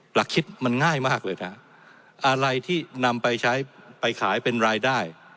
หลักคิดมันง่ายมากเลยนะอะไรที่นำไปใช้ไปขายเป็นรายได้